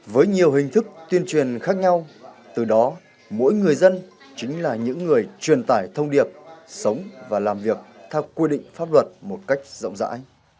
với nhiều hình thức tuyên truyền khác nhau từ đó mỗi người dân chính là những người truyền tải thông điệp sống và làm việc theo quy định pháp luật một cách rộng rãi